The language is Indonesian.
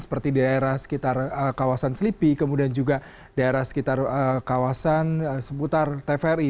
seperti di daerah sekitar kawasan selipi kemudian juga daerah sekitar kawasan seputar tvri